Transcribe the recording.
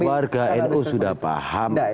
warga nu sudah paham